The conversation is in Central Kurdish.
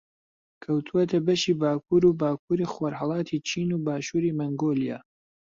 کەوتووەتە بەشی باکوور و باکووری خۆڕھەڵاتی چین و باشووری مەنگۆلیا